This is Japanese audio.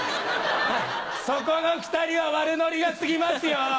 そこの２人は悪乗りが過ぎますよ！